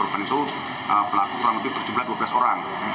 tentu pelaku kurang lebih berjumlah dua belas orang